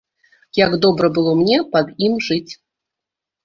Як добра было мне пад ім жыць!